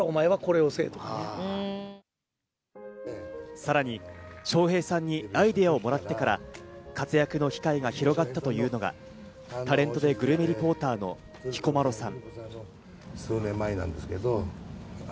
さらに笑瓶さんにアイデアをもらってから活躍の機会が広がったというのがタレントでグルメリポーターの彦摩呂さん。